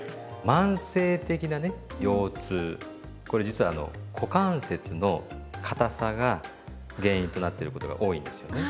慢性的なね腰痛これ実はあの股関節のかたさが原因となってることが多いんですよね。